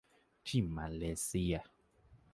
ที่มาเลเซีย